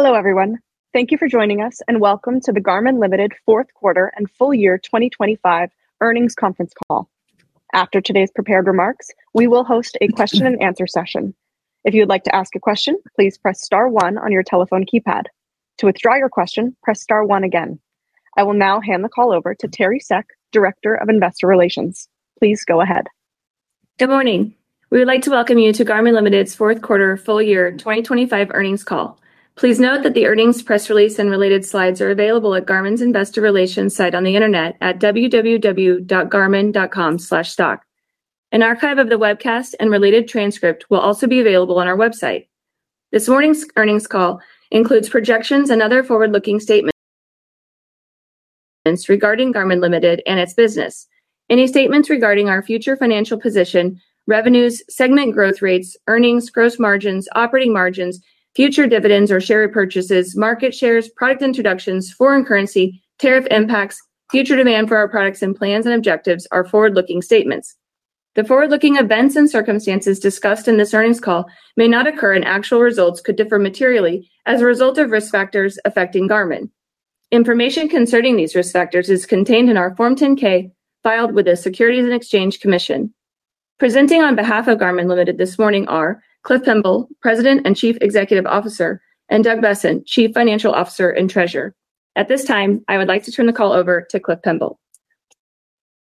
Hello, everyone. Thank you for joining us, and welcome to the Garmin Ltd. fourth quarter and full year 2025 earnings conference call. After today's prepared remarks, we will host a question and answer session. If you would like to ask a question, please press star one on your telephone keypad. To withdraw your question, press star one again. I will now hand the call over to Teri Seck, Director of Investor Relations. Please go ahead. Good morning! We would like to welcome you to Garmin Ltd.'s Q4 full year 2025 earnings call. Please note that the earnings, press release, and related slides are available at Garmin's Investor Relations site on the internet at www.garmin.com/stock. An archive of the webcast and related transcript will also be available on our website. This morning's earnings call includes projections and other forward-looking statements regarding Garmin Ltd. and its business. Any statements regarding our future financial position, revenues, segment growth rates, earnings, gross margins, operating margins, future dividends or share repurchases, market shares, product introductions, foreign currency, tariff impacts, future demand for our products, and plans and objectives are forward-looking statements. The forward-looking events and circumstances discussed in this earnings call may not occur, and actual results could differ materially as a result of risk factors affecting Garmin. Information concerning these risk factors is contained in our Form 10-K, filed with the Securities and Exchange Commission. Presenting on behalf of Garmin Ltd. this morning are Cliff Pemble, President and Chief Executive Officer, and Doug Boessen, Chief Financial Officer and Treasurer. At this time, I would like to turn the call over to Cliff Pemble.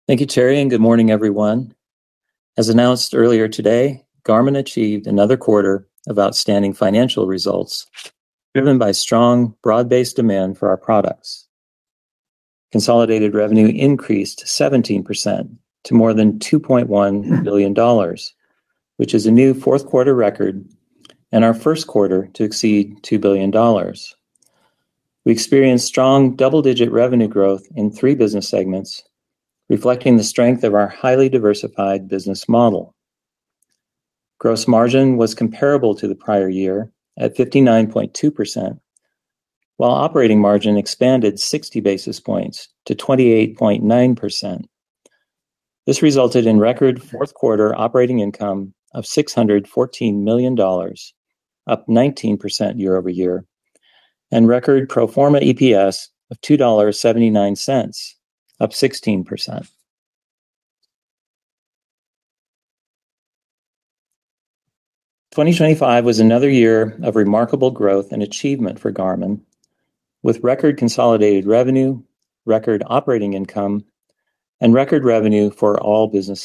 Thank you, Teri, and good morning, everyone. As announced earlier today, Garmin achieved another quarter of outstanding financial results, driven by strong, broad-based demand for our products. Consolidated revenue increased 17% to more than $2.1 billion, which is a new fourth quarter record and our first quarter to exceed $2 billion. We experienced strong double-digit revenue growth in three business segments, reflecting the strength of our highly diversified business model. Gross margin was comparable to the prior year at 59.2%, while operating margin expanded 60 basis points to 28.9%. This resulted in record fourth quarter operating income of $614 million, up 19% year-over-year, and record pro forma EPS of $2.79, up 16%. 2025 was another year of remarkable growth and achievement for Garmin, with record consolidated revenue, record operating income, and record revenue for all business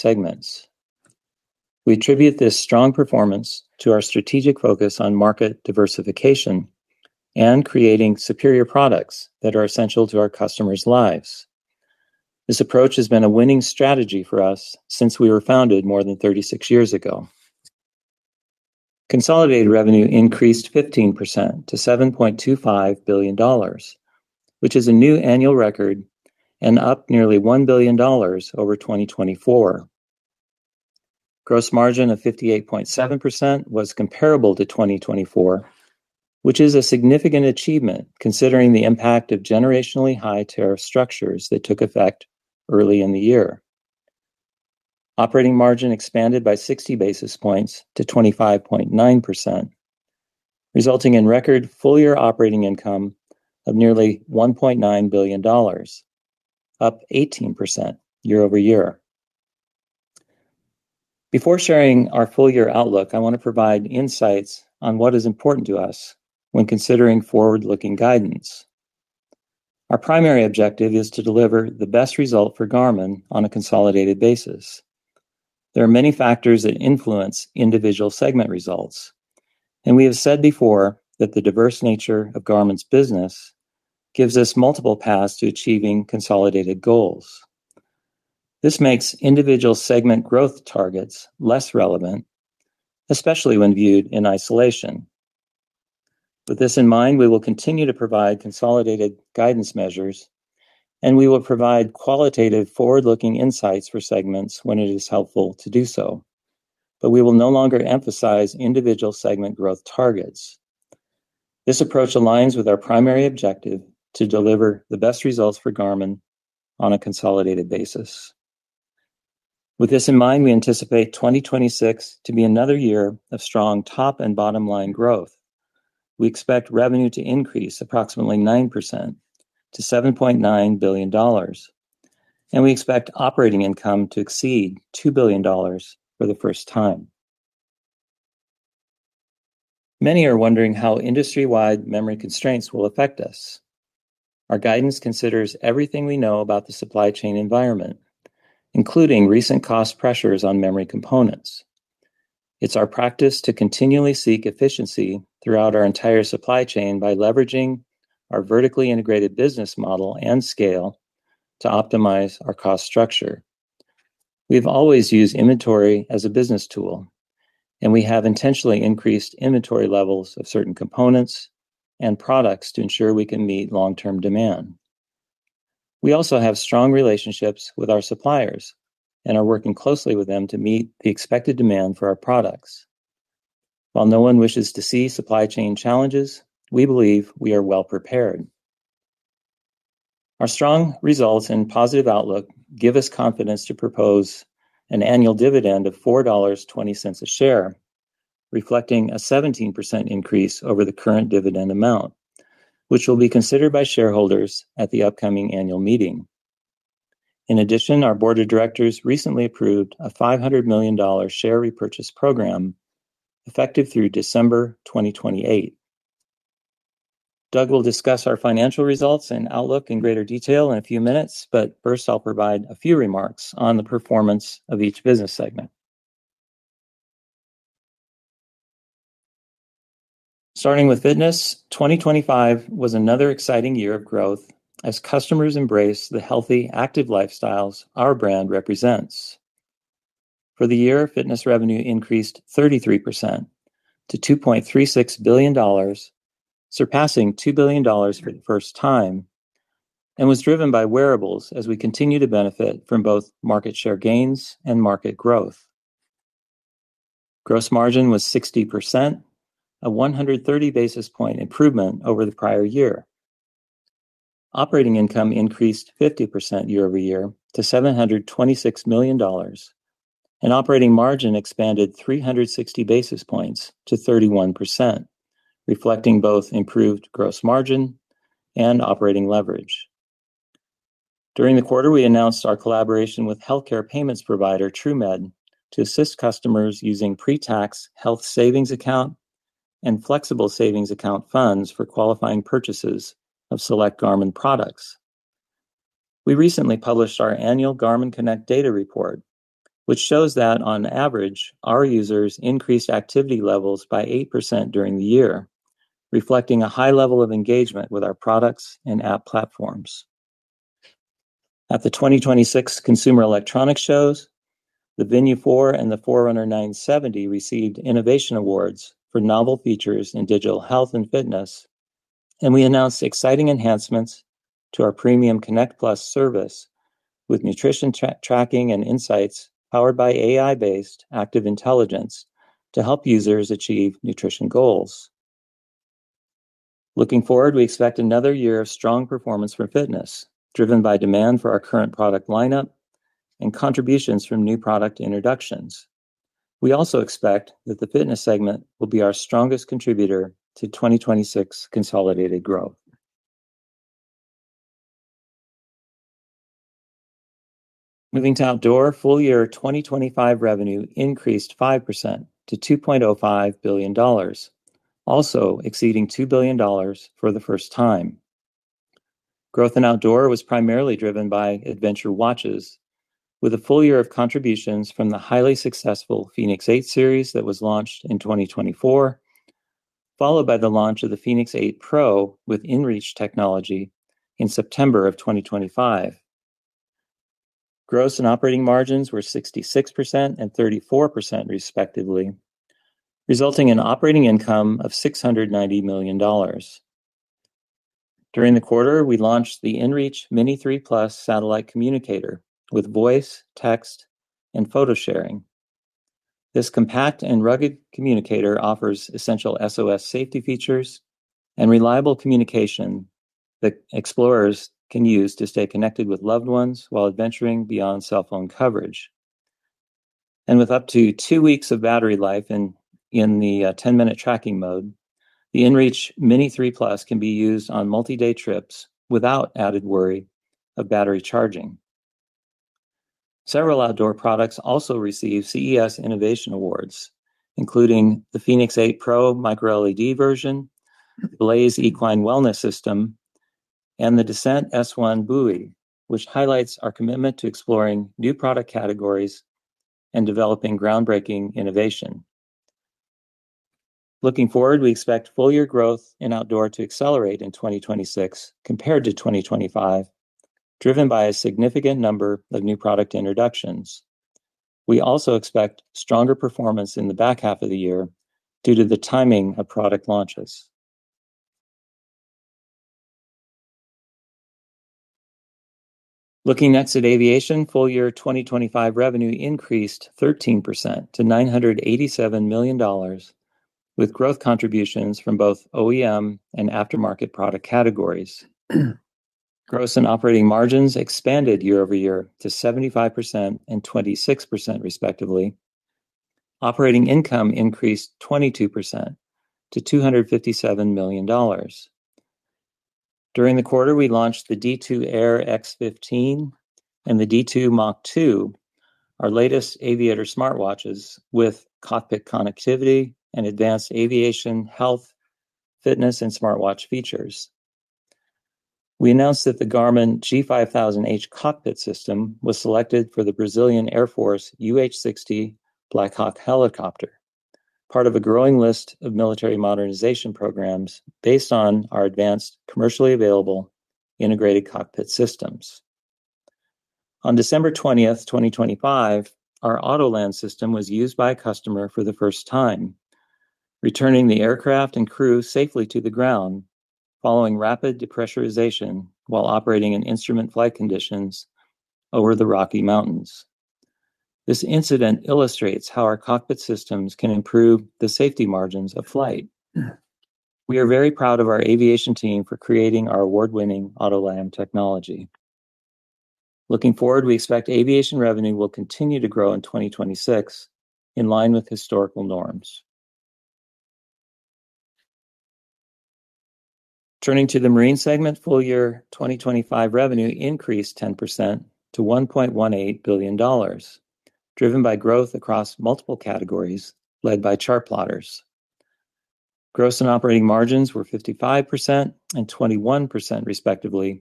segments. We attribute this strong performance to our strategic focus on market diversification and creating superior products that are essential to our customers' lives. This approach has been a winning strategy for us since we were founded more than 36 years ago. Consolidated revenue increased 15% to $7.25 billion, which is a new annual record and up nearly $1 billion over 2024. Gross margin of 58.7% was comparable to 2024, which is a significant achievement considering the impact of generationally high tariff structures that took effect early in the year. Operating margin expanded by 60 basis points to 25.9%, resulting in record full-year operating income of nearly $1.9 billion, up 18% year-over-year. Before sharing our full-year outlook, I want to provide insights on what is important to us when considering forward-looking guidance. Our primary objective is to deliver the best result for Garmin on a consolidated basis. There are many factors that influence individual segment results, and we have said before that the diverse nature of Garmin's business gives us multiple paths to achieving consolidated goals. This makes individual segment growth targets less relevant, especially when viewed in isolation. With this in mind, we will continue to provide consolidated guidance measures, and we will provide qualitative forward-looking insights for segments when it is helpful to do so. But we will no longer emphasize individual segment growth targets. This approach aligns with our primary objective to deliver the best results for Garmin on a consolidated basis. With this in mind, we anticipate 2026 to be another year of strong top and bottom line growth. We expect revenue to increase approximately 9% to $7.9 billion, and we expect operating income to exceed $2 billion for the first time. Many are wondering how industry-wide memory constraints will affect us. Our guidance considers everything we know about the supply chain environment, including recent cost pressures on memory components. It's our practice to continually seek efficiency throughout our entire supply chain by leveraging our vertically integrated business model and scale to optimize our cost structure. We've always used inventory as a business tool, and we have intentionally increased inventory levels of certain components and products to ensure we can meet long-term demand. We also have strong relationships with our suppliers and are working closely with them to meet the expected demand for our products. While no one wishes to see supply chain challenges, we believe we are well prepared. Our strong results and positive outlook give us confidence to propose an annual dividend of $4.20 a share, reflecting a 17% increase over the current dividend amount, which will be considered by shareholders at the upcoming annual meeting. In addition, our board of directors recently approved a $500 million share repurchase program, effective through December 2028. Doug will discuss our financial results and outlook in greater detail in a few minutes, but first, I'll provide a few remarks on the performance of each business segment. Starting with fitness, 2025 was another exciting year of growth as customers embrace the healthy, active lifestyles our brand represents. For the year, fitness revenue increased 33% to $2.36 billion, surpassing $2 billion for the first time, and was driven by wearables as we continue to benefit from both market share gains and market growth. Gross margin was 60%, a 130 basis point improvement over the prior year. Operating income increased 50% year-over-year to $726 million, and operating margin expanded 360 basis points to 31%, reflecting both improved gross margin and operating leverage. During the quarter, we announced our collaboration with healthcare payments provider TrueMed, to assist customers using pre-tax health savings account and flexible spending account funds for qualifying purchases of select Garmin products. We recently published our annual Garmin Connect data report, which shows that on average, our users increased activity levels by 8% during the year, reflecting a high level of engagement with our products and app platforms. At the 2026 Consumer Electronics Show, the Venu 4 and the Forerunner 970 received innovation awards for novel features in digital health and fitness. We announced exciting enhancements to our premium Connect Plus service with nutrition tracking and insights powered by AI-based active intelligence to help users achieve nutrition goals. Looking forward, we expect another year of strong performance for fitness, driven by demand for our current product lineup and contributions from new product introductions. We also expect that the fitness segment will be our strongest contributor to 2026 consolidated growth. Moving to outdoor, full year 2025 revenue increased 5% to $2.05 billion, also exceeding $2 billion for the first time. Growth in outdoor was primarily driven by adventure watches, with a full year of contributions from the highly successful fēnix 8 series that was launched in 2024, followed by the launch of the fēnix 8 Pro with inReach technology in September 2025. Gross and operating margins were 66% and 34%, respectively, resulting in operating income of $690 million. During the quarter, we launched the inReach Mini 3 Plus satellite communicator with voice, text, and photo sharing. This compact and rugged communicator offers essential SOS safety features and reliable communication that explorers can use to stay connected with loved ones while adventuring beyond cell phone coverage. With up to two weeks of battery life in the 10-minute tracking mode, the inReach Mini 3 Plus can be used on multi-day trips without added worry of battery charging. Several outdoor products also received CES Innovation Awards, including the fēnix 8 Pro microLED version, Blaze Equine Wellness System, and the Descent S1 Buoy, which highlights our commitment to exploring new product categories and developing groundbreaking innovation. Looking forward, we expect full year growth in outdoor to accelerate in 2026 compared to 2025, driven by a significant number of new product introductions. We also expect stronger performance in the back half of the year due to the timing of product launches. Looking next at aviation, full year 2025 revenue increased 13% to $987 million, with growth contributions from both OEM and aftermarket product categories. Gross and operating margins expanded year-over-year to 75% and 26%, respectively. Operating income increased 22% to $257 million. During the quarter, we launched the D2 Air X15 and the D2 Mach 2, our latest aviator smartwatches with cockpit connectivity and advanced aviation, health, fitness, and smartwatch features. We announced that the Garmin G5000H cockpit system was selected for the Brazilian Air Force UH-60 Black Hawk helicopter, part of a growing list of military modernization programs based on our advanced, commercially available integrated cockpit systems. On December 20, 2025, our Autoland system was used by a customer for the first time, returning the aircraft and crew safely to the ground following rapid depressurization while operating in instrument flight conditions over the Rocky Mountains. This incident illustrates how our cockpit systems can improve the safety margins of flight. We are very proud of our aviation team for creating our award-winning Autoland technology. Looking forward, we expect aviation revenue will continue to grow in 2026 in line with historical norms. Turning to the marine segment, full year 2025 revenue increased 10% to $1.18 billion, driven by growth across multiple categories, led by chartplotters. Gross and operating margins were 55% and 21% respectively,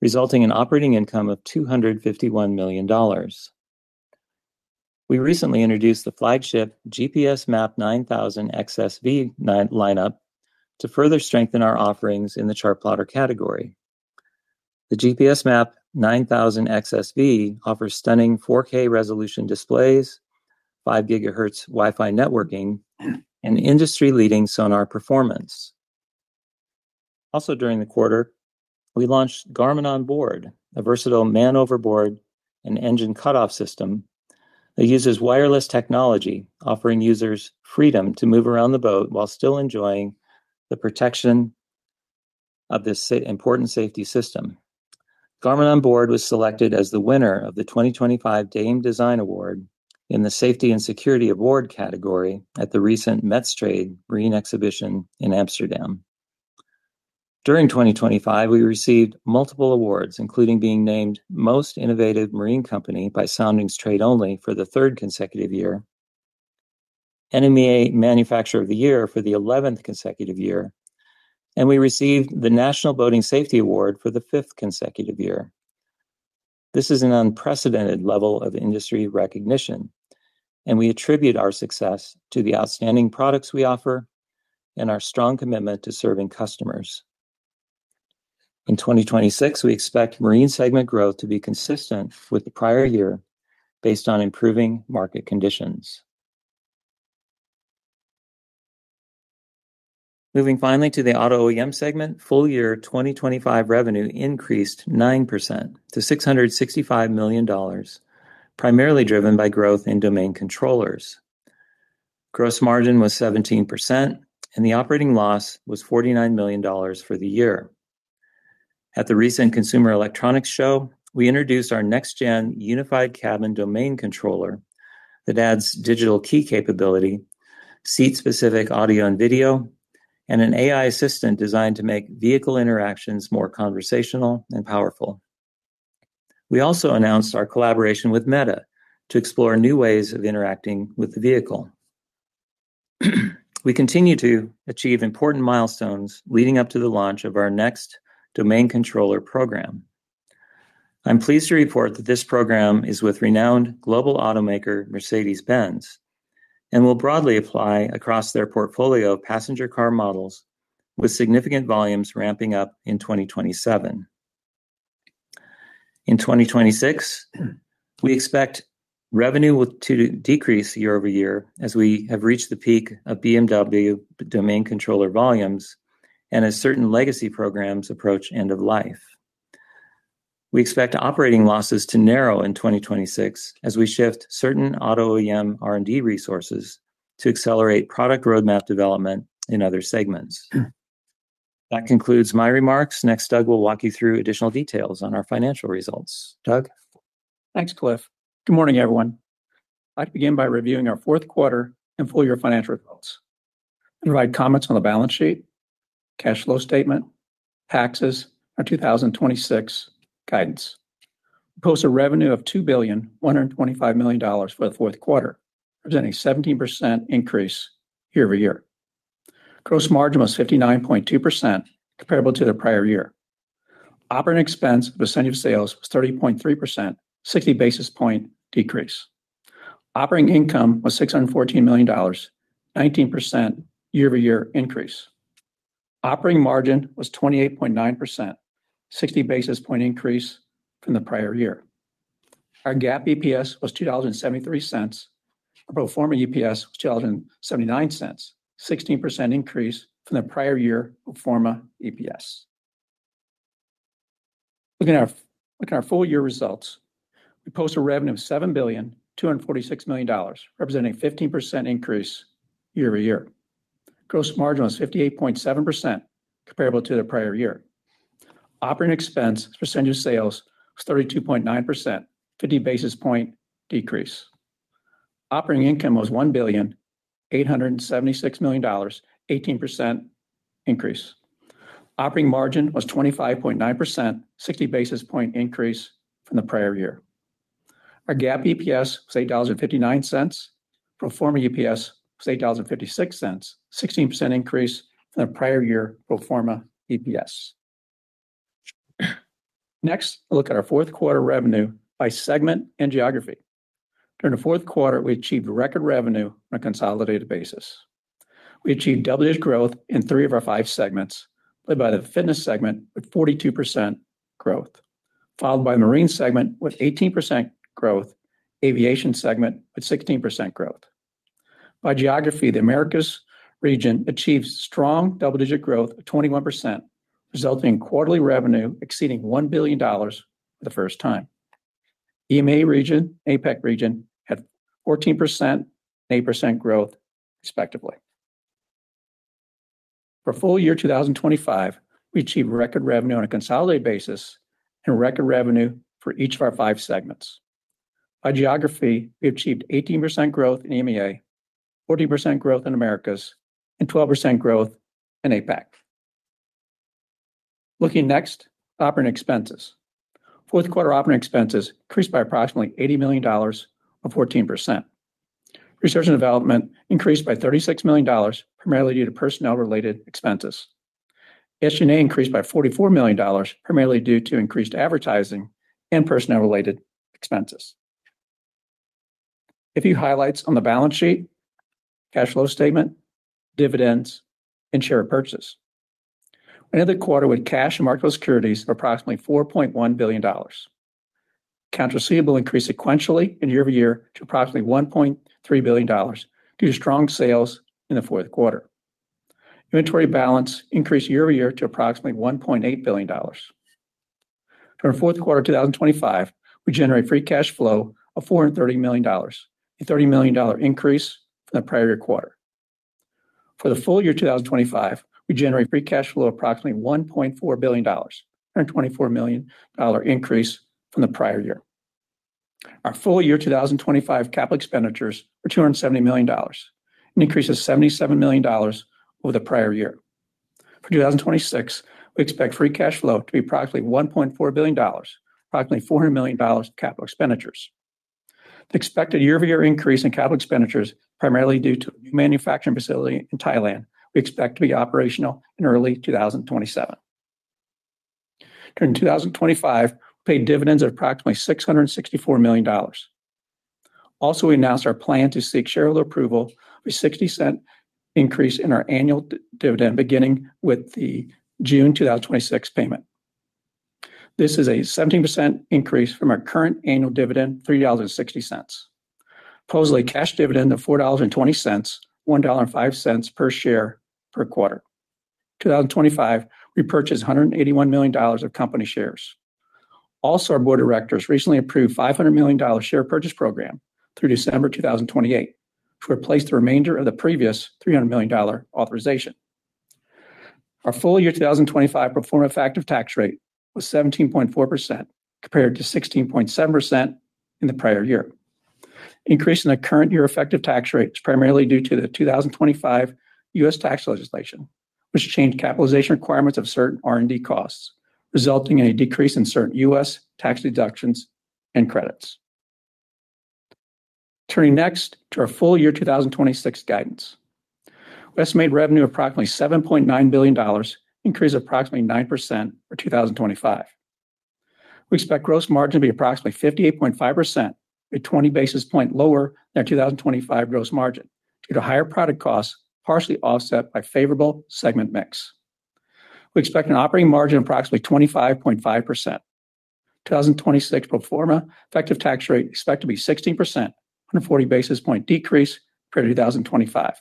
resulting in operating income of $251 million. We recently introduced the flagship GPSMAP 9000xsv lineup to further strengthen our offerings in the chartplotter category. The GPSMAP 9000xsv offers stunning 4K resolution displays, 5 GHz Wi-Fi networking, and industry-leading sonar performance. Also, during the quarter, we launched Garmin Onboard, a versatile man overboard and engine cutoff system that uses wireless technology, offering users freedom to move around the boat while still enjoying the protection of this important safety system. Garmin Onboard was selected as the winner of the 2025 DAME Design Award in the Safety and Security Award category at the recent METSTRADE Marine Exhibition in Amsterdam. During 2025, we received multiple awards, including being named Most Innovative Marine Company by Soundings Trade Only for the third consecutive year, NMEA Manufacturer of the Year for the eleventh consecutive year, and we received the National Boating Safety Award for the fifth consecutive year. This is an unprecedented level of industry recognition, and we attribute our success to the outstanding products we offer and our strong commitment to serving customers. In 2026, we expect marine segment growth to be consistent with the prior year based on improving market conditions. Moving finally to the auto OEM segment, full year 2025 revenue increased 9% to $665 million, primarily driven by growth in domain controllers. Gross margin was 17%, and the operating loss was $49 million for the year. At the recent Consumer Electronics Show, we introduced our next-gen Unified Cabin Domain Controller that adds digital key capability, seat-specific audio and video, and an AI assistant designed to make vehicle interactions more conversational and powerful. We also announced our collaboration with Meta to explore new ways of interacting with the vehicle. We continue to achieve important milestones leading up to the launch of our next domain controller program. I'm pleased to report that this program is with renowned global automaker, Mercedes-Benz, and will broadly apply across their portfolio of passenger car models, with significant volumes ramping up in 2027. In 2026, we expect revenue will decrease year-over-year, as we have reached the peak of BMW domain controller volumes and as certain legacy programs approach end of life. We expect operating losses to narrow in 2026 as we shift certain auto OEM R&D resources to accelerate product roadmap development in other segments. That concludes my remarks. Next, Doug will walk you through additional details on our financial results. Doug? Thanks, Cliff. Good morning, everyone. I'd begin by reviewing our fourth quarter and full year financial results and provide comments on the balance sheet, cash flow statement, taxes, our 2026 guidance. Post a revenue of $2.125 billion for the fourth quarter, representing a 17% increase year-over-year. Gross margin was 59.2% comparable to the prior year. Operating expense percentage of sales was 30.3%, sixty basis point decrease. Operating income was $614 million, 19% year-over-year increase. Operating margin was 28.9%, sixty basis point increase from the prior year. Our GAAP EPS was $2.73, our pro forma EPS was $2.79, 16% increase from the prior year of pro forma EPS. Looking at our full year results, we post a revenue of $7.246 billion, representing a 15% increase year-over-year. Gross margin was 58.7% comparable to the prior year. Operating expense percentage of sales was 32.9%, 50 basis point decrease. Operating income was $1.876 billion, 18% increase. Operating margin was 25.9%, 60 basis point increase from the prior year. Our GAAP EPS was $8.59, pro forma EPS was $8.56, 16% increase from the prior year pro forma EPS. Next, a look at our fourth quarter revenue by segment and geography. During the fourth quarter, we achieved record revenue on a consolidated basis. We achieved double-digit growth in 3 of our 5 segments, led by the fitness segment with 42% growth, followed by marine segment with 18% growth, aviation segment with 16% growth. By geography, the Americas region achieves strong double-digit growth of 21%, resulting in quarterly revenue exceeding $1 billion for the first time. EMEA region, APAC region, had 14% and 8% growth, respectively. For full year 2025, we achieved record revenue on a consolidated basis and record revenue for each of our 5 segments. By geography, we achieved 18% growth in EMEA, 40% growth in Americas, and 12% growth in APAC. Looking next, operating expenses. Fourth quarter operating expenses increased by approximately $80 million, or 14%. Research and development increased by $36 million, primarily due to personnel-related expenses. SG&A increased by $44 million, primarily due to increased advertising and personnel-related expenses. A few highlights on the balance sheet, cash flow statement, dividends, and share purchase. Another quarter with cash and market securities of approximately $4.1 billion. Accounts receivable increased sequentially and year-over-year to approximately $1.3 billion due to strong sales in the fourth quarter. Inventory balance increased year-over-year to approximately $1.8 billion. During the fourth quarter of 2025, we generated free cash flow of $430 million, a $30 million increase from the prior quarter. For the full year 2025, we generated free cash flow of approximately $1.4 billion, a $124 million increase from the prior year. Our full year 2025 capital expenditures were $270 million, an increase of $77 million over the prior year. For 2026, we expect free cash flow to be approximately $1.4 billion, approximately $400 million in capital expenditures. The expected year-over-year increase in capital expenditures primarily due to a new manufacturing facility in Thailand we expect to be operational in early 2027. During 2025, we paid dividends of approximately $664 million. Also, we announced our plan to seek shareholder approval for a 60-cent increase in our annual dividend, beginning with the June 2026 payment. This is a 17% increase from our current annual dividend, $3.60, proposing a cash dividend of $4.20, $1.05 per share per quarter. In 2025, we purchased $181 million of company shares. Also, our board of directors recently approved $500 million share purchase program through December 2028, to replace the remainder of the previous $300 million authorization. Our full year 2025 pro forma effective tax rate was 17.4%, compared to 16.7% in the prior year. Increase in the current year effective tax rate is primarily due to the 2025 U.S. tax legislation, which changed capitalization requirements of certain R&D costs, resulting in a decrease in certain U.S. tax deductions and credits. Turning next to our full year 2026 guidance. We estimate revenue of approximately $7.9 billion, increase of approximately 9% for 2025. We expect gross margin to be approximately 58.5%, a 20 basis point lower than our 2025 gross margin, due to higher product costs, partially offset by favorable segment mix. We expect an operating margin of approximately 25.5%. 2026 pro forma effective tax rate is expected to be 16%, on a 40 basis point decrease compared to 2025.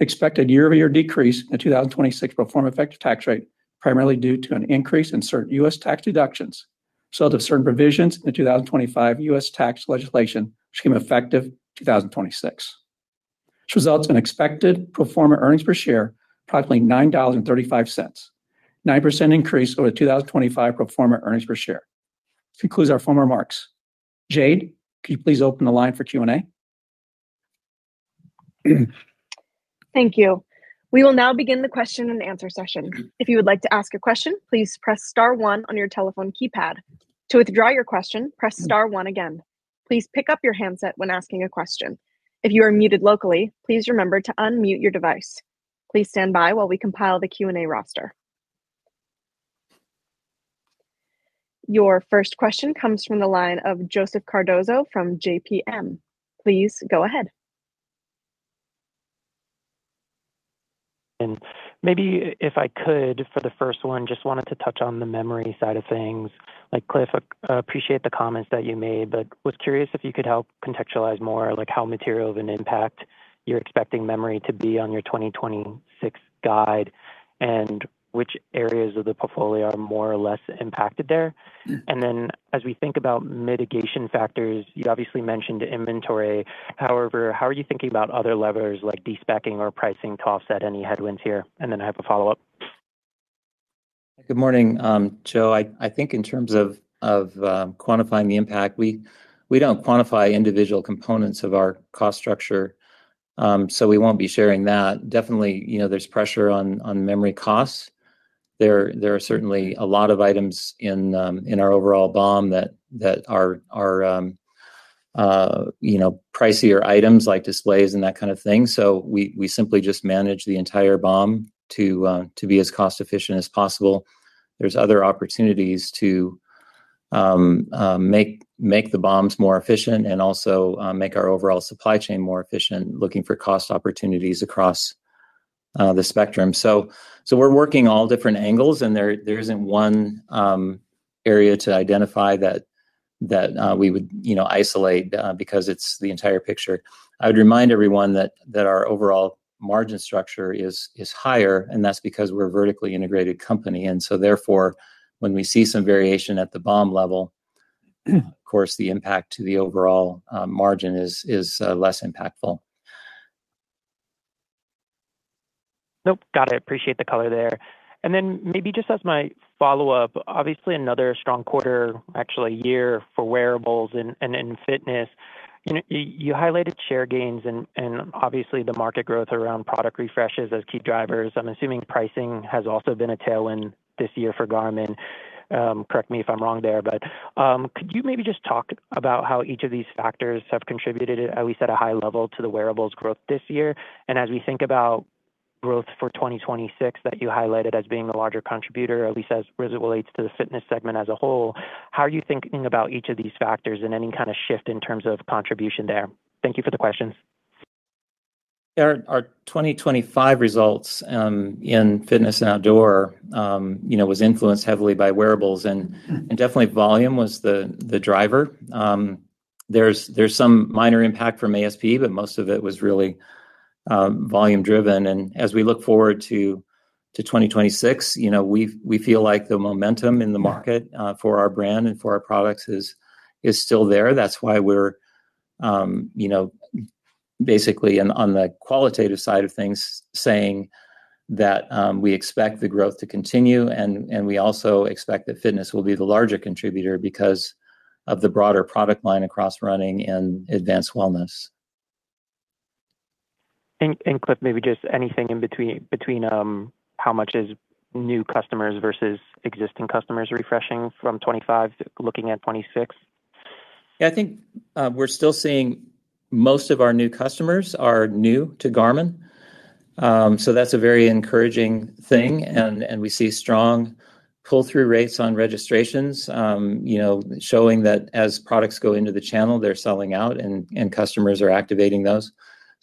Expected year-over-year decrease in the 2026 pro forma effective tax rate, primarily due to an increase in certain U.S. tax deductions, sunset of certain provisions in the 2025 U.S. tax legislation, which became effective in 2026. This results in expected pro forma earnings per share, approximately $9.35, 9% increase over the 2025 pro forma earnings per share. This concludes our formal remarks. Jade, could you please open the line for Q&A? Thank you. We will now begin the question and answer session. If you would like to ask a question, please press star one on your telephone keypad. To withdraw your question, press star one again. Please pick up your handset when asking a question. If you are muted locally, please remember to unmute your device. Please stand by while we compile the Q&A roster. Your first question comes from the line of Joseph Cardoso from JPM. Please go ahead. Maybe if I could, for the first one, just wanted to touch on the memory side of things. Like, Cliff, I appreciate the comments that you made, but was curious if you could help contextualize more, like, how material of an impact you're expecting memory to be on your 2026 guide, and which areas of the portfolio are more or less impacted there? As we think about mitigation factors, you obviously mentioned inventory. However, how are you thinking about other levers like de-specing or pricing to offset any headwinds here? And then I have a follow-up. Good morning, Joe. I think in terms of quantifying the impact, we don't quantify individual components of our cost structure, so we won't be sharing that. Definitely, you know, there's pressure on memory costs. There are certainly a lot of items in our overall BOM that are pricier items, like displays and that kind of thing. So we simply just manage the entire BOM to be as cost-efficient as possible. There's other opportunities to make the BOMs more efficient and also make our overall supply chain more efficient, looking for cost opportunities across the spectrum. So we're working all different angles, and there isn't one area to identify that we would, you know, isolate because it's the entire picture. I would remind everyone that our overall margin structure is higher, and that's because we're a vertically integrated company, and so therefore, when we see some variation at the bottom level, of course, the impact to the overall margin is less impactful. Nope. Got it, appreciate the color there. And then maybe just as my follow-up, obviously, another strong quarter, actually year for wearables and, and in fitness. You, you highlighted share gains and, and obviously the market growth around product refreshes as key drivers. I'm assuming pricing has also been a tailwind this year for Garmin. Correct me if I'm wrong there, but could you maybe just talk about how each of these factors have contributed, at least at a high level, to the wearables growth this year? And as we think about growth for 2026, that you highlighted as being a larger contributor, at least as it relates to the fitness segment as a whole, how are you thinking about each of these factors and any kind of shift in terms of contribution there? Thank you for the questions. There are our 2025 results in fitness and outdoor, you know, was influenced heavily by wearables, and definitely volume was the driver. There's some minor impact from ASP, but most of it was really volume driven. And as we look forward to 2026, you know, we feel like the momentum in the market for our brand and for our products is still there. That's why we're, you know, basically, and on the qualitative side of things, saying that we expect the growth to continue, and we also expect that fitness will be the larger contributor because of the broader product line across running and advanced wellness. Cliff, maybe just anything in between how much is new customers versus existing customers refreshing from 25, looking at 26? Yeah, I think we're still seeing most of our new customers are new to Garmin. So that's a very encouraging thing, and we see strong pull-through rates on registrations, you know, showing that as products go into the channel, they're selling out, and customers are activating those.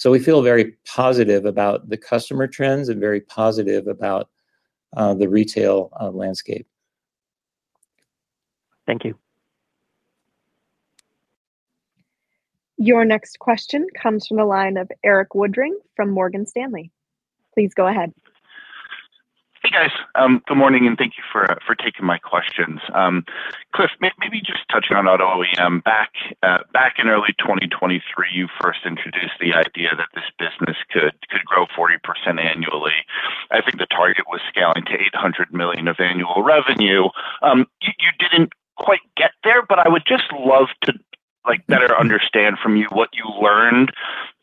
So we feel very positive about the customer trends and very positive about the retail landscape. Thank you. Your next question comes from the line of Erik Woodring from Morgan Stanley. Please go ahead. Hey, guys, good morning, and thank you for taking my questions. Cliff, maybe just touching on auto OEM. Back in early 2023, you first introduced the idea that this business could grow 40% annually. I think the target was scaling to $800 million of annual revenue. You didn't quite get there, but I would just love to, like, better understand from you what you learned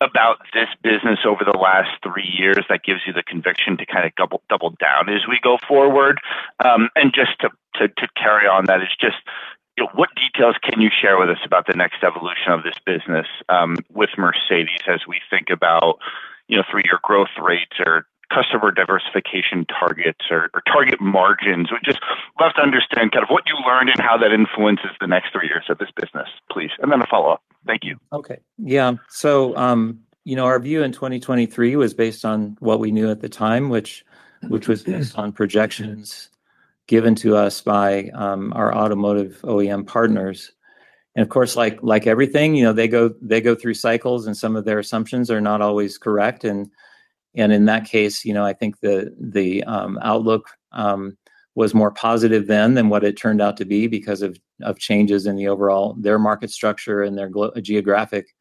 about this business over the last three years that gives you the conviction to kind of double down as we go forward. And just to carry on that, is just, you know, what details can you share with us about the next evolution of this business, with Mercedes, as we think about, you know, three-year growth rates or customer diversification targets or target margins? We just love to understand kind of what you learned and how that influences the next three years of this business, please. And then a follow-up. Thank you. Okay. Yeah. So, you know, our view in 2023 was based on what we knew at the time, which was based on projections given to us by our automotive OEM partners. And of course, like everything, you know, they go through cycles, and some of their assumptions are not always correct. And in that case, you know, I think the outlook was more positive then than what it turned out to be because of changes in the overall their market structure and their geographic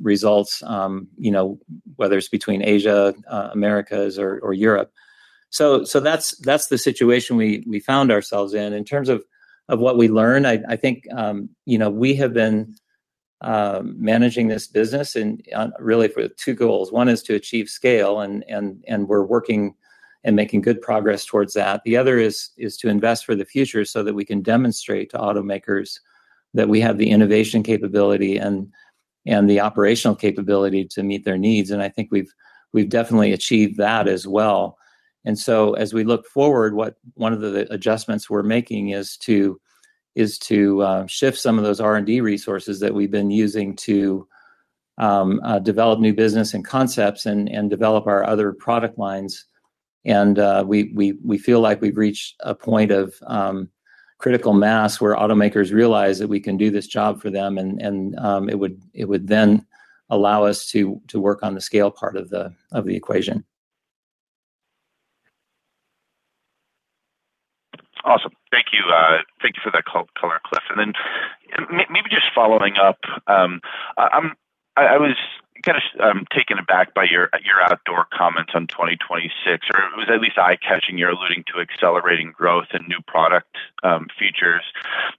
results, you know, whether it's between Asia, Americas or Europe. So that's the situation we found ourselves in. In terms of what we learned, I think, you know, we have been managing this business and really with two goals. One is to achieve scale, and we're working and making good progress towards that. The other is to invest for the future so that we can demonstrate to automakers that we have the innovation capability and the operational capability to meet their needs. And I think we've definitely achieved that as well. And so as we look forward, one of the adjustments we're making is to shift some of those R&D resources that we've been using to develop new business and concepts and develop our other product lines. And we feel like we've reached a point of critical mass, where automakers realize that we can do this job for them, and it would then allow us to work on the scale part of the equation. Awesome. Thank you. Thank you for that clear, Cliff. And then maybe just following up, I was kind of taken aback by your outdoor comments on 2026, or it was at least eye-catching. You're alluding to accelerating growth and new product features.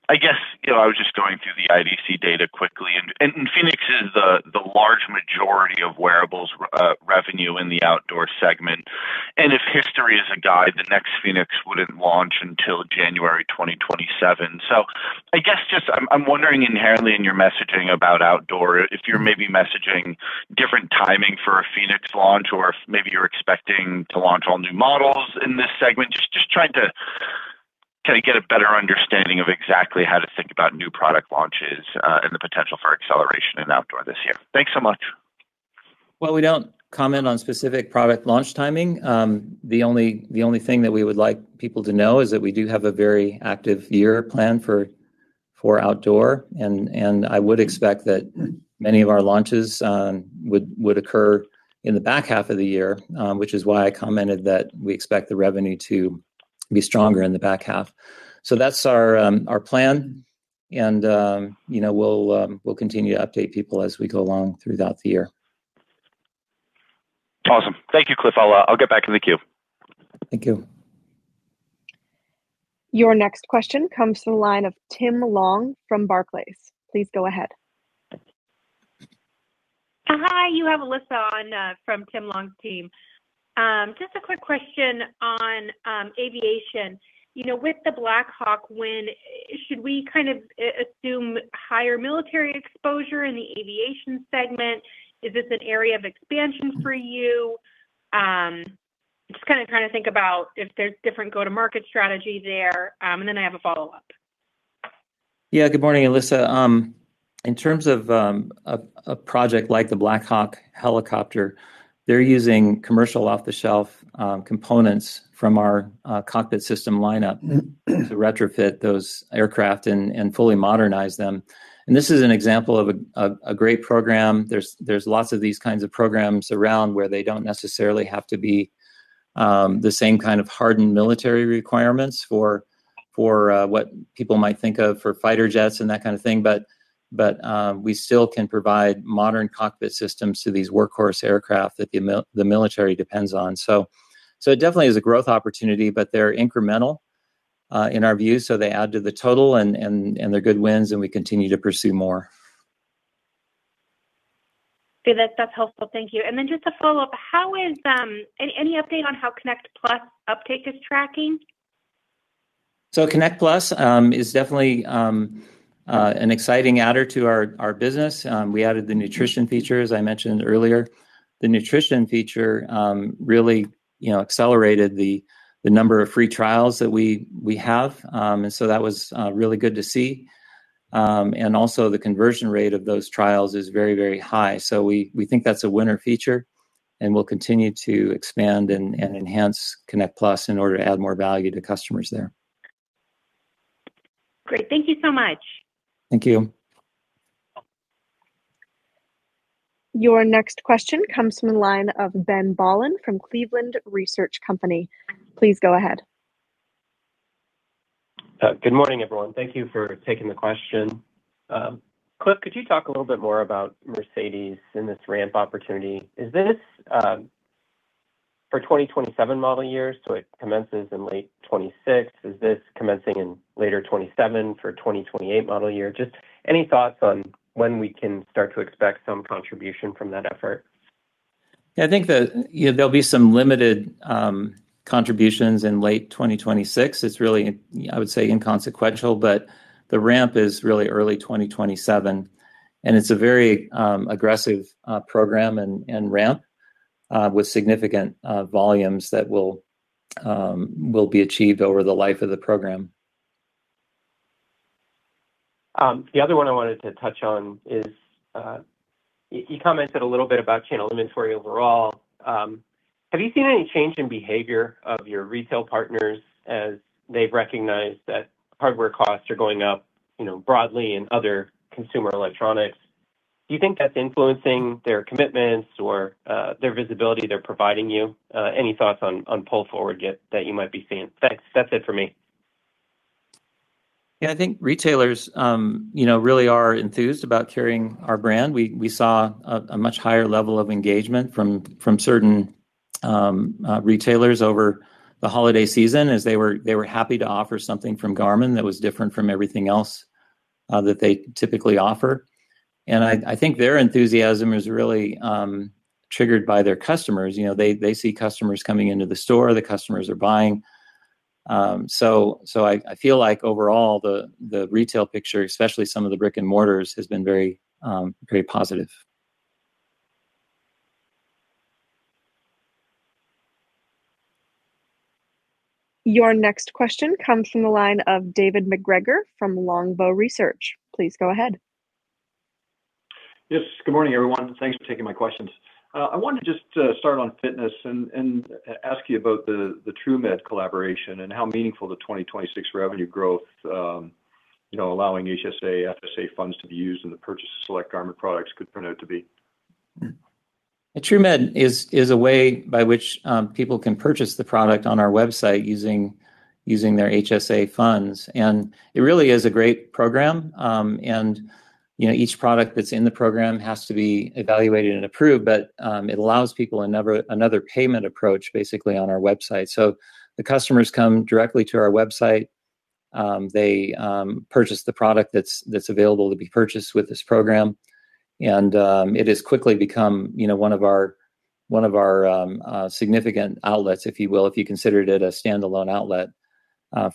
I guess, you know, I was just going through the IDC data quickly, and Fenix is the large majority of wearables revenue in the outdoor segment. And if history is a guide, the next Fenix wouldn't launch until January 2027. So I guess just I'm wondering inherently in your messaging about outdoor, if you're maybe messaging different timing for a fēnix launch, or if maybe you're expecting to launch all new models in this segment. Just trying to kind of get a better understanding of exactly how to think about new product launches, and the potential for acceleration in outdoor this year. Thanks so much. Well, we don't comment on specific product launch timing. The only thing that we would like people to know is that we do have a very active year plan for outdoor, and I would expect that many of our launches would occur in the back half of the year. Which is why I commented that we expect the revenue to be stronger in the back half. So that's our plan, and you know, we'll continue to update people as we go along throughout the year. Awesome. Thank you, Cliff. I'll get back in the queue. Thank you. Your next question comes from the line of Tim Long from Barclays. Please go ahead. Hi, you have Alyssa on from Tim Long's team. Just a quick question on aviation. You know, with the Black Hawk, should we kind of assume higher military exposure in the aviation segment? Is this an area of expansion for you? Just kind of trying to think about if there's different go-to-market strategy there, and then I have a follow-up. Yeah. Good morning, Alyssa. In terms of a project like the Black Hawk helicopter, they're using commercial off-the-shelf components from our cockpit system lineup to retrofit those aircraft and fully modernize them. And this is an example of a great program. There's lots of these kinds of programs around where they don't necessarily have to be the same kind of hardened military requirements for what people might think of for fighter jets and that kind of thing. But we still can provide modern cockpit systems to these workhorse aircraft that the mil- the military depends on. So it definitely is a growth opportunity, but they're incremental in our view, so they add to the total and they're good wins, and we continue to pursue more. Good. That's, that's helpful. Thank you. And then just a follow-up: How is any update on how Connect Plus uptake is tracking? Connect Plus is definitely an exciting adder to our business. We added the nutrition feature, as I mentioned earlier. The nutrition feature really, you know, accelerated the number of free trials that we have. And so that was really good to see. And also the conversion rate of those trials is very, very high. So we think that's a winner feature, and we'll continue to expand and enhance Connect Plus in order to add more value to customers there. Great. Thank you so much. Thank you. Your next question comes from the line of Ben Bollin from Cleveland Research Company. Please go ahead. Good morning, everyone. Thank you for taking the question. Cliff, could you talk a little bit more about Mercedes and this ramp opportunity? Is this for 2027 model year, so it commences in late 2026? Is this commencing in later 2027 for 2028 model year? Just any thoughts on when we can start to expect some contribution from that effort? Yeah, I think the, you know, there'll be some limited contributions in late 2026. It's really, I would say, inconsequential, but the ramp is really early 2027, and it's a very aggressive program and ramp with significant volumes that will be achieved over the life of the program. The other one I wanted to touch on is, you commented a little bit about channel inventory overall. Have you seen any change in behavior of your retail partners as they've recognized that hardware costs are going up, you know, broadly in other consumer electronics? Do you think that's influencing their commitments or their visibility they're providing you? Any thoughts on pull forward yet that you might be seeing? Thanks. That's it for me. Yeah, I think retailers, you know, really are enthused about carrying our brand. We saw a much higher level of engagement from certain retailers over the holiday season, as they were happy to offer something from Garmin that was different from everything else that they typically offer. And I think their enthusiasm is really triggered by their customers. You know, they see customers coming into the store, the customers are buying. So I feel like overall, the retail picture, especially some of the brick-and-mortars, has been very, very positive. Your next question comes from the line of David MacGregor from Longbow Research. Please go ahead. Yes. Good morning, everyone. Thanks for taking my questions. I wanted to just start on fitness and ask you about the TrueMed collaboration and how meaningful the 2026 revenue growth, you know, allowing HSA, FSA funds to be used in the purchase of select Garmin products could turn out to be. TrueMed is a way by which people can purchase the product on our website using their HSA funds, and it really is a great program. You know, each product that's in the program has to be evaluated and approved, but it allows people another payment approach, basically, on our website. So the customers come directly to our website, they purchase the product that's available to be purchased with this program, and it has quickly become one of our significant outlets, if you will, if you considered it a standalone outlet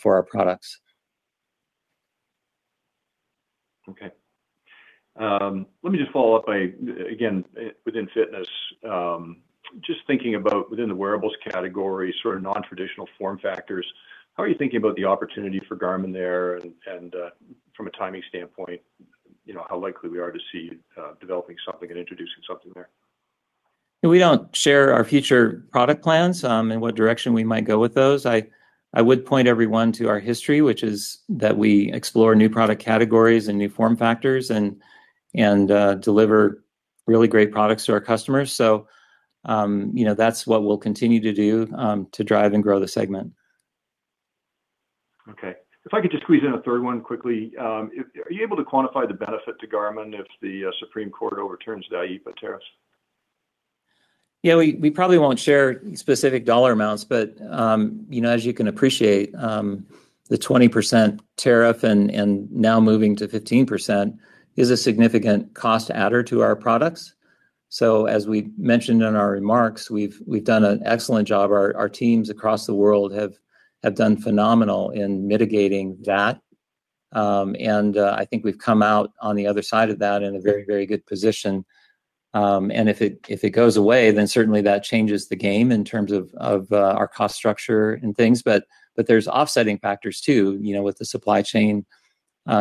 for our products. Let me just follow up by, again, within fitness. Just thinking about within the wearables category, sort of non-traditional form factors, how are you thinking about the opportunity for Garmin there? And, from a timing standpoint, you know, how likely we are to see developing something and introducing something there? We don't share our future product plans, and what direction we might go with those. I would point everyone to our history, which is that we explore new product categories and new form factors and deliver really great products to our customers. So, you know, that's what we'll continue to do, to drive and grow the segment. Okay. If I could just squeeze in a third one quickly. Are you able to quantify the benefit to Garmin if the Supreme Court overturns the IEEPA tariffs? Yeah, we probably won't share specific dollar amounts, but, you know, as you can appreciate, the 20% tariff and now moving to 15% is a significant cost adder to our products. So as we mentioned in our remarks, we've done an excellent job. Our teams across the world have done phenomenal in mitigating that. And I think we've come out on the other side of that in a very, very good position. And if it goes away, then certainly that changes the game in terms of our cost structure and things. But there's offsetting factors too, you know, with the supply chain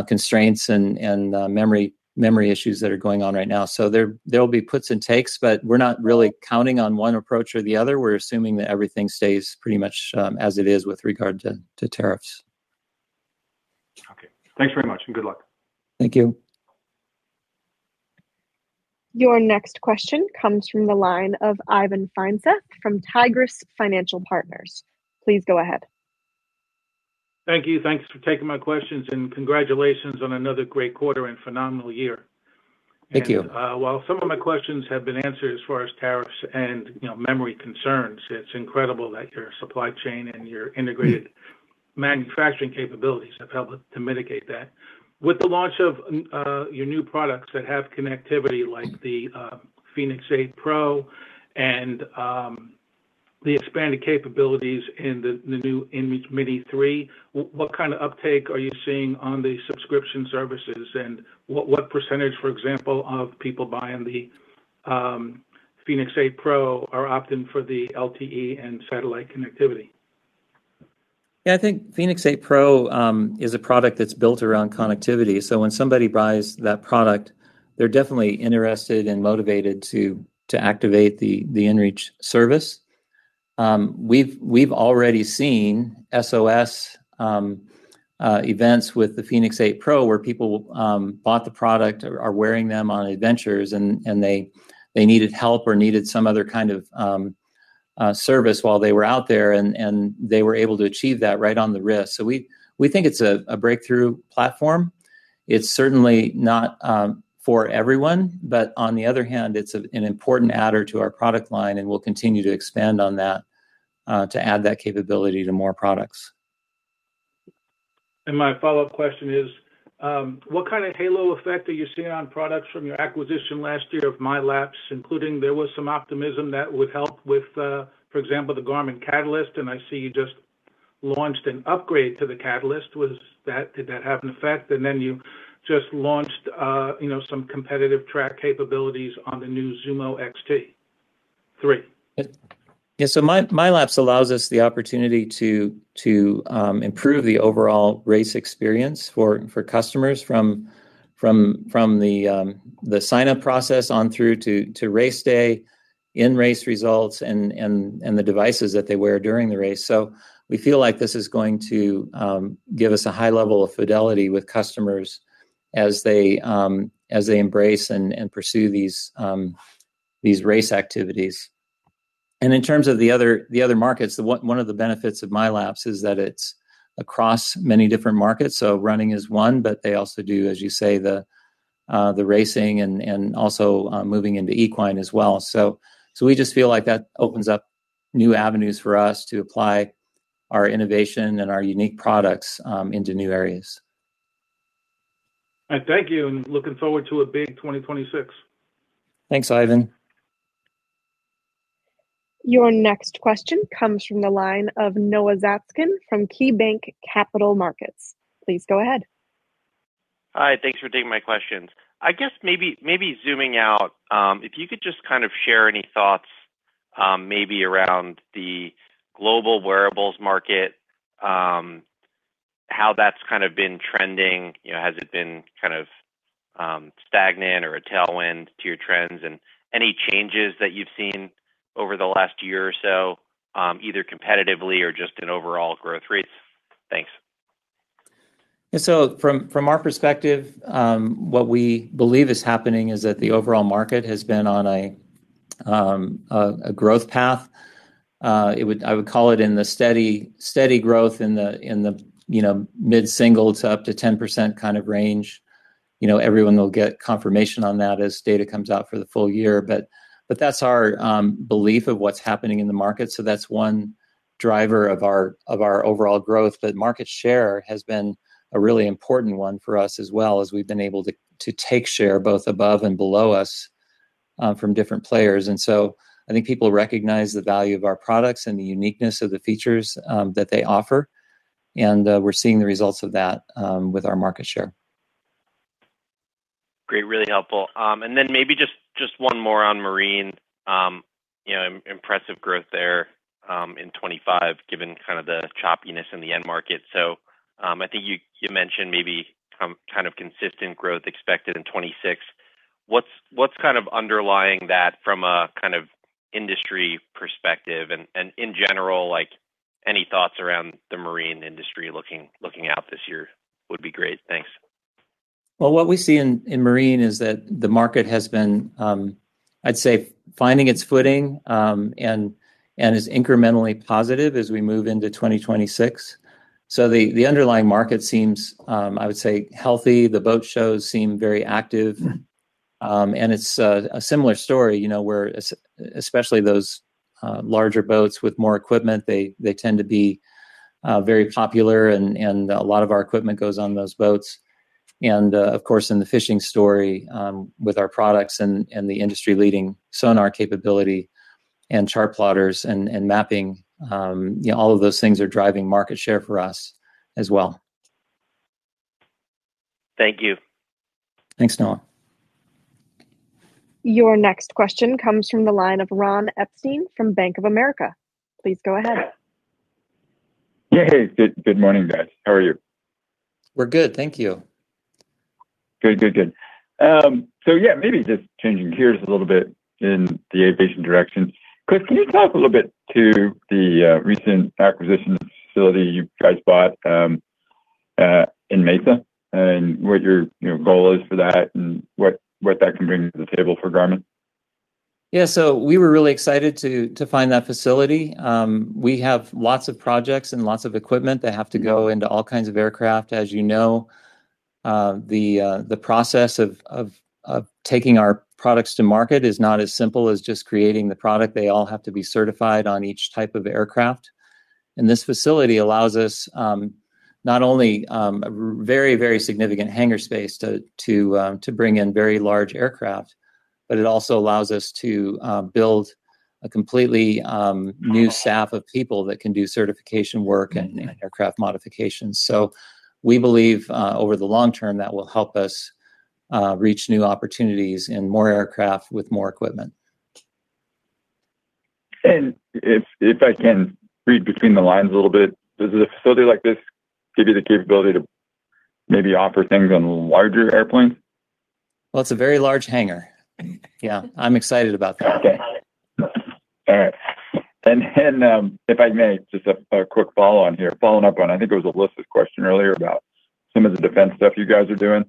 constraints and memory issues that are going on right now. So there will be puts and takes, but we're not really counting on one approach or the other. We're assuming that everything stays pretty much as it is with regard to tariffs. Okay. Thanks very much, and good luck. Thank you. Your next question comes from the line of Ivan Feinseth from Tigris Financial Partners. Please go ahead. Thank you. Thanks for taking my questions, and congratulations on another great quarter and phenomenal year. Thank you. While some of my questions have been answered as far as tariffs and, you know, memory concerns, it's incredible that your supply chain and your integrated manufacturing capabilities have helped to mitigate that. With the launch of your new products that have connectivity, like the fēnix 8 Pro and the expanded capabilities in the new inReach Mini 3, what kind of uptake are you seeing on the subscription services, and what percentage, for example, of people buying the fēnix 8 Pro are opting for the LTE and satellite connectivity? Yeah, I think fēnix 8 Pro is a product that's built around connectivity. So when somebody buys that product, they're definitely interested and motivated to activate the inReach service. We've already seen SOS events with the fēnix 8 Pro, where people bought the product or are wearing them on adventures, and they needed help or needed some other kind of service while they were out there, and they were able to achieve that right on the wrist. So we think it's a breakthrough platform. It's certainly not for everyone, but on the other hand, it's an important adder to our product line, and we'll continue to expand on that to add that capability to more products. My follow-up question is, what kind of halo effect are you seeing on products from your acquisition last year of MYLAPS, including there was some optimism that would help with, for example, the Garmin Catalyst, and I see you just launched an upgrade to the Catalyst. Did that have an effect? And then you just launched, you know, some competitive track capabilities on the new zūmo XT3. Yeah. So MYLAPS allows us the opportunity to improve the overall race experience for customers from the sign-up process on through to race day, in race results and the devices that they wear during the race. So we feel like this is going to give us a high level of fidelity with customers as they embrace and pursue these race activities. And in terms of the other markets, one of the benefits of MYLAPS is that it's across many different markets, so running is one, but they also do, as you say, the racing and also moving into equine as well. So, we just feel like that opens up new avenues for us to apply our innovation and our unique products into new areas. All right, thank you, and looking forward to a big 2026. Thanks, Ivan. Your next question comes from the line of Noah Zatzkin from KeyBanc Capital Markets. Please go ahead. Hi, thanks for taking my questions. I guess maybe zooming out, if you could just kind of share any thoughts, maybe around the global wearables market, how that's kind of been trending. You know, has it been kind of stagnant or a tailwind to your trends? And any changes that you've seen over the last year or so, either competitively or just in overall growth rates? Thanks. So from our perspective, what we believe is happening is that the overall market has been on a growth path. It would, I would call it in the steady growth, you know, mid-singles up to 10% kind of range. You know, everyone will get confirmation on that as data comes out for the full year. But that's our belief of what's happening in the market. So that's one driver of our overall growth. But market share has been a really important one for us as well, as we've been able to take share, both above and below us, from different players. And so I think people recognize the value of our products and the uniqueness of the features that they offer. and we're seeing the results of that, with our market share. Great, really helpful. And then maybe just one more on marine. You know, impressive growth there in 2025, given kind of the choppiness in the end market. So, I think you mentioned maybe kind of consistent growth expected in 2026. What's kind of underlying that from a kind of industry perspective? And in general, like, any thoughts around the marine industry looking out this year would be great. Thanks. Well, what we see in marine is that the market has been, I'd say, finding its footing, and is incrementally positive as we move into 2026. So the underlying market seems, I would say, healthy. The boat shows seem very active. And it's a similar story, you know, where especially those larger boats with more equipment, they tend to be very popular, and a lot of our equipment goes on those boats. And of course, in the fishing story, with our products and the industry-leading sonar capability and chart plotters and mapping, you know, all of those things are driving market share for us as well. Thank you. Thanks, Noah. Your next question comes from the line of Ron Epstein from Bank of America. Please go ahead. Yeah, hey, good, good morning, guys. How are you? We're good, thank you. Good, good, good. So yeah, maybe just changing gears a little bit in the aviation direction. Cliff, can you talk a little bit to the recent acquisition facility you guys bought in Mesa, and what your, you know, goal is for that, and what that can bring to the table for Garmin? Yeah, so we were really excited to find that facility. We have lots of projects and lots of equipment that have to go into all kinds of aircraft. As you know, the process of taking our products to market is not as simple as just creating the product. They all have to be certified on each type of aircraft. And this facility allows us not only a very, very significant hangar space to bring in very large aircraft, but it also allows us to build a completely new staff of people that can do certification work and aircraft modifications. So we believe over the long term, that will help us reach new opportunities in more aircraft with more equipment. If I can read between the lines a little bit, does a facility like this give you the capability to maybe offer things on larger airplanes? Well, it's a very large hangar. Yeah, I'm excited about that. Okay. All right. If I may, just a quick follow-on here. Following up on, I think it was Alyssa's question earlier about some of the defense stuff you guys are doing.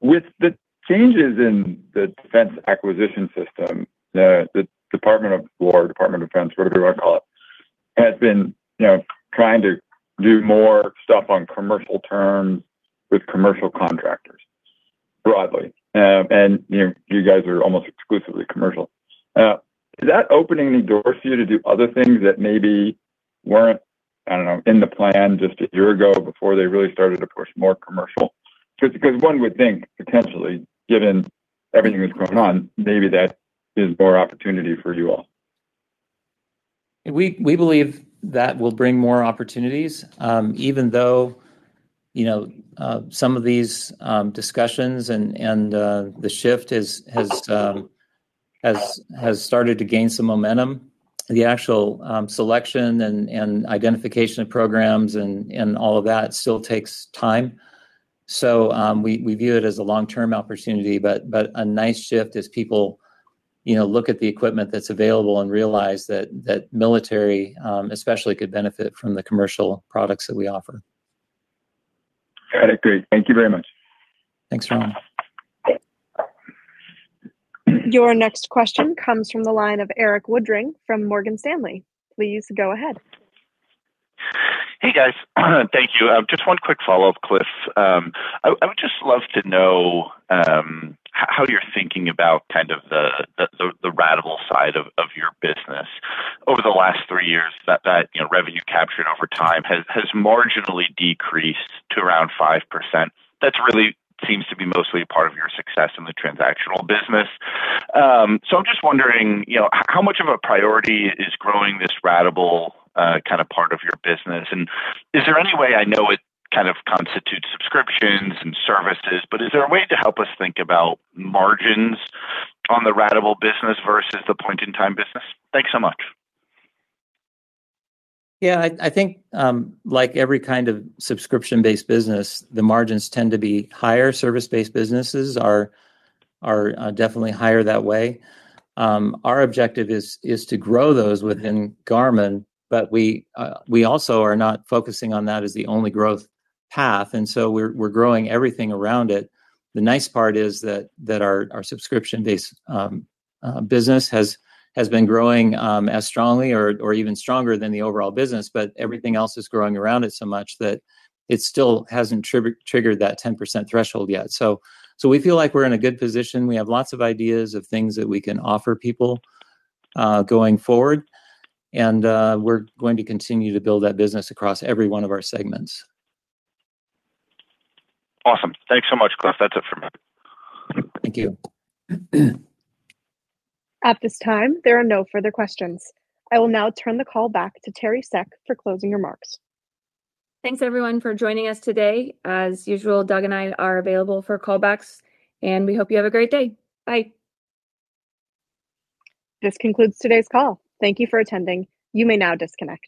With the changes in the defense acquisition system, the Department of War, Department of Defense, whatever you want to call it, has been, you know, trying to do more stuff on commercial terms with commercial contractors, broadly. And, you know, you guys are almost exclusively commercial. Is that opening the door for you to do other things that maybe weren't, I don't know, in the plan just a year ago before they really started, of course, more commercial? Just 'cause one would think, potentially, given everything that's going on, maybe that is more opportunity for you all. We believe that will bring more opportunities. Even though, you know, some of these discussions and the shift has started to gain some momentum, the actual selection and identification of programs and all of that still takes time. So, we view it as a long-term opportunity, but a nice shift as people, you know, look at the equipment that's available and realize that military, especially could benefit from the commercial products that we offer. Got it. Great. Thank you very much. Thanks, Ron. Your next question comes from the line of Erik Woodring from Morgan Stanley. Please go ahead. Hey, guys. Thank you. Just one quick follow-up, Cliff. I would just love to know how you're thinking about kind of the ratable side of your business. Over the last three years, that you know revenue captured over time has marginally decreased to around 5%. That's really seems to be mostly a part of your success in the transactional business. So I'm just wondering, you know, how much of a priority is growing this ratable kind of part of your business? And is there any way, I know it kind of constitutes subscriptions and services, but is there a way to help us think about margins on the ratable business versus the point-in-time business? Thanks so much. Yeah, I, I think, like every kind of subscription-based business, the margins tend to be higher. Service-based businesses are, are, definitely higher that way. Our objective is, is to grow those within Garmin, but we, we also are not focusing on that as the only growth path, and so we're, we're growing everything around it. The nice part is that, that our, our subscription-based, business has, has been growing, as strongly or, or even stronger than the overall business, but everything else is growing around it so much that it still hasn't triggered that 10% threshold yet. So, so we feel like we're in a good position. We have lots of ideas of things that we can offer people, going forward, and, we're going to continue to build that business across every one of our segments. Awesome. Thanks so much, Cliff. That's it for me. Thank you. At this time, there are no further questions. I will now turn the call back to Teri Seck for closing remarks. Thanks, everyone, for joining us today. As usual, Doug and I are available for callbacks, and we hope you have a great day. Bye. This concludes today's call. Thank you for attending. You may now disconnect.